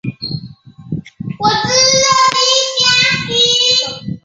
盐井纳西族乡也是一个在西藏迄今唯一有天主教教堂和信徒的地方。